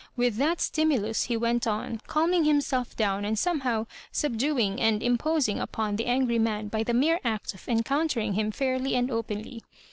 With that stimulus he went on, calming himself down, and somehow subduing and impos ing upon the angiy man by the mere act of en oountermg him &My and openly.